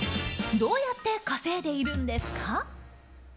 どうやって稼いでいるんですか？